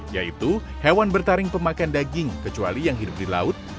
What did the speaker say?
yaitu hewan bertaring pemakan daging kecuali yang hidup di laut